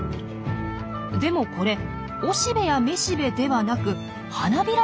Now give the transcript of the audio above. でもこれ雄しべや雌しべではなく花びらでもありません。